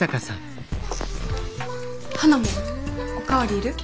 花もお代わりいる？